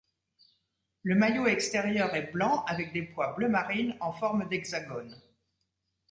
Le maillot extérieur est blanc avec des pois bleu marine en forme d'hexagone.